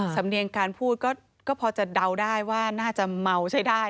สำเนียงการพูดก็พอจะเดาได้ว่าน่าจะเมาใช้ได้